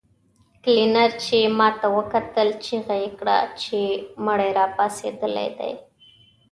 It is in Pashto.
کلينر چې ماته وکتل چيغه يې کړه چې مړی راپاڅېدلی دی.